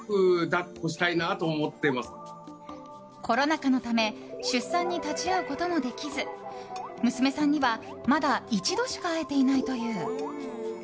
コロナ禍のため出産に立ち会うこともできず娘さんにはまだ一度しか会えていないという。